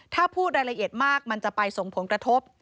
ถ้าพูดรายละเอียดมากมันจะไปส่งผลกระทบ